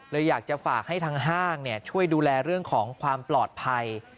อยากจะฝากให้ทางห้างช่วยดูแลเรื่องของความปลอดภัย